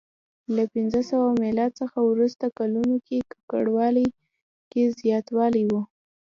له پنځه سوه میلاد څخه وروسته کلونو کې ککړوالي کې زیاتوالی و